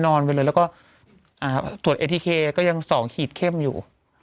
นอนไปเลยแล้วก็อ่าสวดเอทีแคต์ก็ยังสองหีดเข้มอยู่